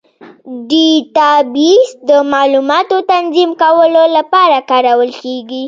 ډیټابیس د معلوماتو تنظیم کولو لپاره کارول کېږي.